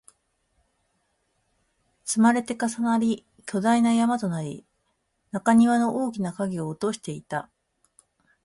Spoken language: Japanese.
積まれて、重なり、巨大な山となり、中庭に大きな影を落としていた